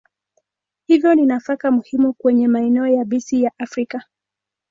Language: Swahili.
Hivyo ni nafaka muhimu kwenye maeneo yabisi ya Afrika.